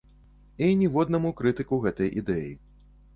І ніводнаму крытыку гэтай ідэі.